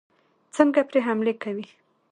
څنګه پرې حملې کوي.